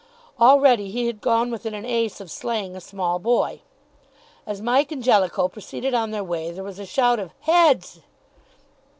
Already he had gone within an ace of slaying a small boy. As Mike and Jellicoe proceeded on their way, there was a shout of "Heads!"